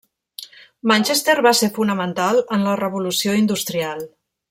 Manchester va ser fonamental en la revolució industrial.